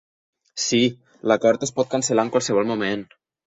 Sí, l'acord es pot cancel·lar en qualsevol moment.